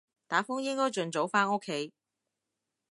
打風應該盡早返屋企